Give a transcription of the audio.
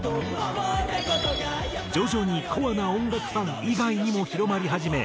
徐々にコアな音楽ファン以外にも広まり始め